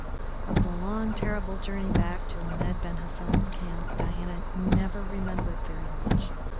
Of the long, terrible journey back to Ahmed Ben Hassan's camp Diana never remembered very much.